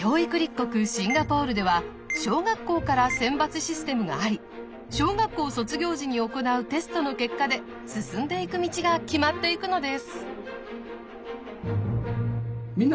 シンガポールでは小学校から選抜システムがあり小学校卒業時に行うテストの結果で進んでいく道が決まっていくのです。